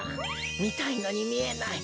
みたいのにみえない。